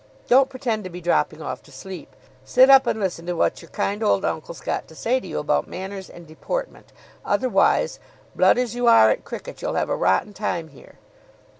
Don't pretend to be dropping off to sleep. Sit up and listen to what your kind old uncle's got to say to you about manners and deportment. Otherwise, blood as you are at cricket, you'll have a rotten time here.